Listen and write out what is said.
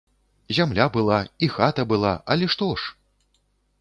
Зямля была, і хата была, але што ж!